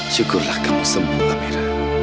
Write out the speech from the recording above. syukurlah kamu sembuh amira